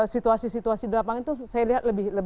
situasi situasi di lapangan itu saya lihat lebih